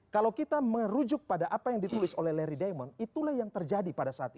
kalau kita merujuk pada apa yang ditulis oleh larry diamond itulah yang terjadi